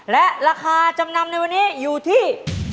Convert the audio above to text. และราคาจำนำในวันนี้อยู่ที่